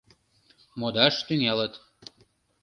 Модаш тӱҥалыт.